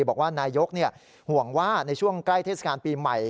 บอกว่านายกห่วงว่าในช่วงใกล้เทศกาลปีใหม่